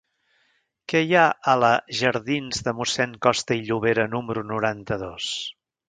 Què hi ha a la jardins de Mossèn Costa i Llobera número noranta-dos?